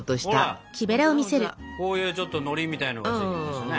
こういうちょっとのりみたいなのがついてきましたね。